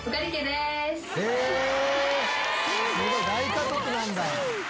すごい大家族なんだ。